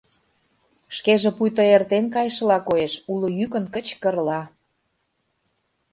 Шкеже пуйто эртен кайышыла коеш, уло йӱкын кычкырла: